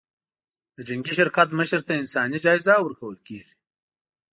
د جنګي شرکت مشر ته انساني جایزه ورکول کېږي.